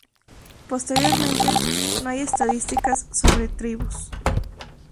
Posteriormente no hay estadísticas sobre tribus.